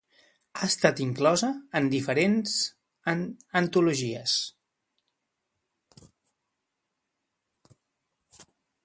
Ha estat inclosa en diferents en antologies.